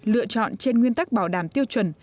lựa chọn trên nguyên tắc bảo đảm tiêu chuẩn